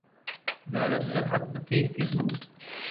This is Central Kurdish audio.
لالە سەرحەد بە کەیفی بوو.